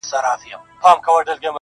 دنیا فاني ده بیا به وکړی ارمانونه٫